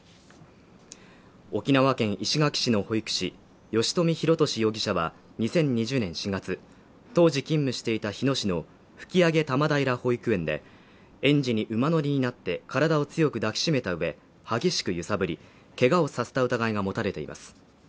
沖縄県石垣市の保育士吉冨弘敏容疑者は２０２０年４月当時勤務していた日野市の吹上多摩平保育園で園児に馬乗りになって体を強く抱きしめた上、激しく揺さぶり、けがをさせた疑いが持たれています。